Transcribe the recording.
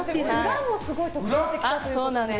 裏もすごい特徴的だということで。